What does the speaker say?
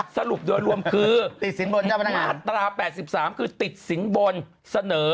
สรุปโดยรวมคือมาตรา๘๓คือติดสินบนเสนอ